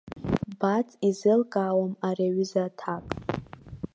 Баӡ изеилкаауам ари аҩыза аҭак.